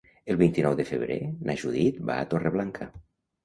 El vint-i-nou de febrer na Judit va a Torreblanca.